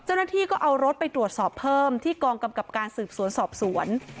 เจ้าหน้าที่ก็เอารถไปตรวจสอบเพิ่มที่กองกำกับการสืบสวนสอบสวน